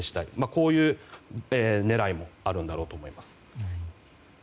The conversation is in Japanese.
こういう狙いもあるんだろうと思います。